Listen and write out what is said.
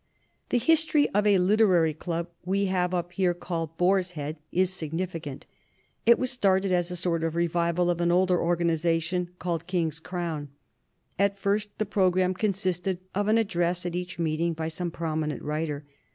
"The history of a literary club we have up here, called Boar's Head, is significant. It was 205 LITERATURE IN THE MAKING started as a sort of revival of an older organiza tion called King's Crown. At first the program consisted of an address at each meeting by some prominent writer.